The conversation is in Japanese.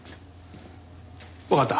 わかった。